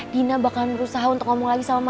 dina bakal berusaha untuk ngomong lagi sama mama